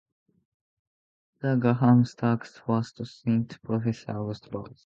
This is Graham Stark's first stint as Professor Auguste Balls.